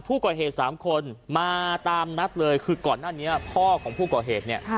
ผู้ก่อเหตุสามคนมาตามนัดเลยคือก่อนหน้านี้พ่อของผู้ก่อเหตุเนี่ย